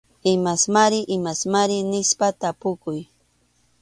Imasmari imasmari nispa tapukuy.